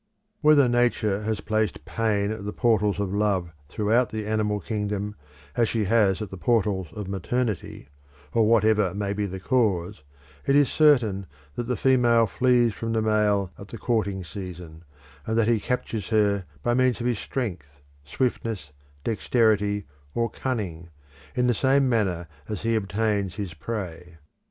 Whether Nature has placed pain at the portals of love throughout the animal kingdom as she has at the portals of maternity, or whatever may be the cause, it is certain that the female flees from the male at the courting season, and that he captures her by means of his strength, swiftness, dexterity, or cunning, in the same manner as he obtains his prey.